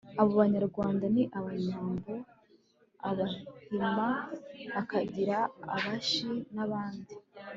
abo banyarwanda ni abanyambo, abahima, abakiga, abashi n'abandi